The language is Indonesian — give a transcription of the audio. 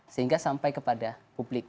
sehingga sampai kepada publik